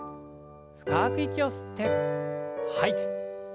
深く息を吸って吐いて。